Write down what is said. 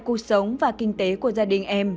cuộc sống và kinh tế của gia đình em